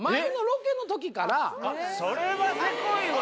それはせこいわ！